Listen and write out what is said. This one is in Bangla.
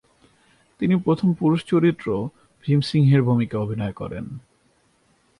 তিনি প্রথম পুরুষ চরিত্র ভীমসিংহের ভূমিকায় অভিনয় করেন।